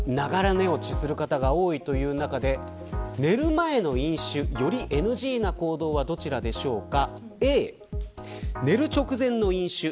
寝落ちする方が多いという中で寝る前の飲酒、よりＮＧな行動はどちらでしょうか。